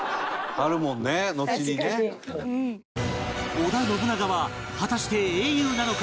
織田信長は果たして英雄なのか？